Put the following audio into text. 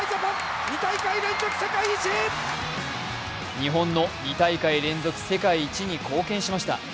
日本の２大会連続世界一に貢献しまして。